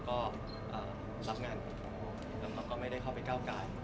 ก็รับงานแล้วเขาก็ไม่ได้เข้าไปก้าวกาย